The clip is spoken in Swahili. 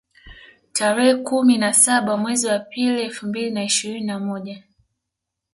Tarehe kumi na saba mwezi wa pili elfu mbili na ishirini na moja